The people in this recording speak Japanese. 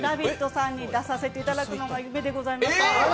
さんに出させていただくのが夢でございました。